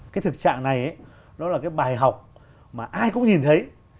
cái thực trạng này nó là cái bài học mà ai cũng nhìn thấy